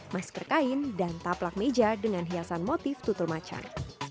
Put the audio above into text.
masker kain dan taplak meja dengan hiasan motif tutul macan